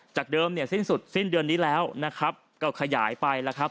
จากเดิมสิ้นสุดสิ้นเดือนนี้แล้วก็ขยายไป